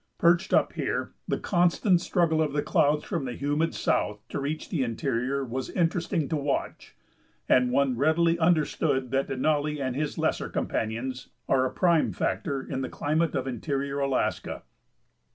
Perched up here, the constant struggle of the clouds from the humid south to reach the interior was interesting to watch, and one readily understood that Denali and his lesser companions are a prime factor in the climate of interior Alaska.